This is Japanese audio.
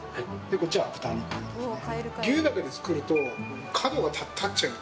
こっちは豚肉ですね。